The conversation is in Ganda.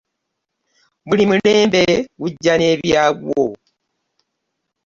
Buli mulembe gujja n'ebyagwo.